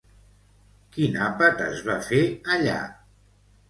Quin àpat es va fer allà?